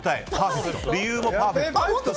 理由もパーフェクト。